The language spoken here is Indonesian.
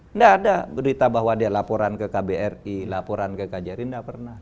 nggak ada berita bahwa dia laporan ke kbri laporan ke kjri tidak pernah